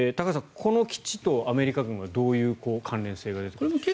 この基地とアメリカ軍はどういう関連性が出てくるんでしょうか。